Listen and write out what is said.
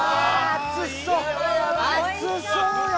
熱そうよ！